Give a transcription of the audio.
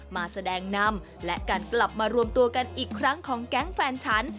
มาแสดงนำและการกลับมารวมตัวกันอีกครั้งของแก๊งแฟนฉัน